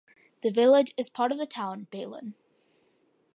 The village is part of the town Balen.